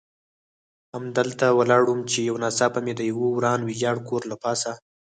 همدلته ولاړ وم، چې یو ناڅاپه مې د یوه وران ویجاړ کور له پاسه.